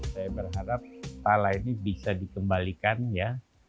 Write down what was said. saya berharap pala ini bisa dikembalikan ya